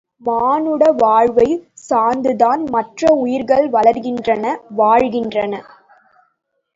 மானுட வாழ்வைச் சார்ந்துதான் மற்ற உயிர்கள் வளர்கின்றன வாழ்கின்றன.